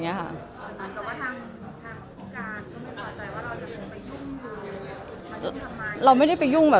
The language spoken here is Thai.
จะมีบอกว่าเราอยากไปยุ่งมือ